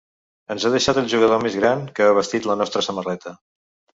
Ens ha deixat el jugador més gran que ha vestit la nostra samarreta.